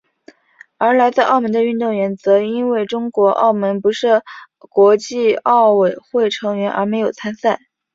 而来自澳门的运动员则因为中国澳门不是国际奥委会成员而没有参赛。